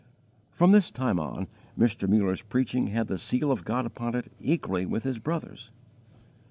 From this time on, Mr. Muller's preaching had the seal of God upon it equally with his brother's.